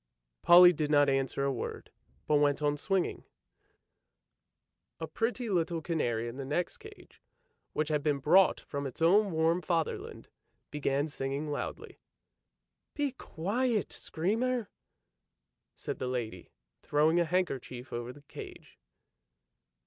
" Polly did not answer a word, but went on swinging. A pretty 328 ANDERSEN'S FAIRY TALES little canary in the next cage, which had been brought from its own warm fatherland, began singing loudly. "Be quiet, screamer!" said the lady, throwing a hand kerchief over the cage.